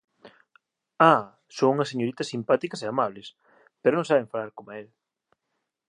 Ah, son unhas señoritas simpáticas e amables; pero non saben falar coma el!